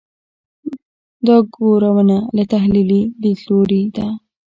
دا ګورنه له تحلیلي لیدلوري ده.